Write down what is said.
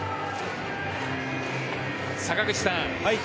坂口さん